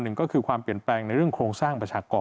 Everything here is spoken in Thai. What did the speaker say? หนึ่งก็คือความเปลี่ยนแปลงในเรื่องโครงสร้างประชากร